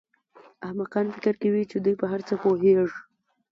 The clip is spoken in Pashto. احمقان فکر کوي چې دوی په هر څه پوهېږي.